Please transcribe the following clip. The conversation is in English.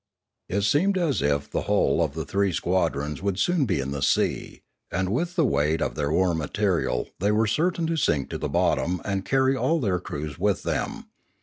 It seemed as if the whole of the three squadrons would soon be in the sea, and with the weight of their war material they were certain to sink to the bottom and carry all their crews with them.